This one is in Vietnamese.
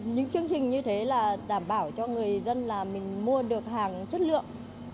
những chương trình như thế là đảm bảo cho người dân là mình mua được hàng chất lượng